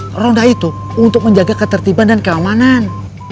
ronda itu untuk menjaga ketertiban dan keamanan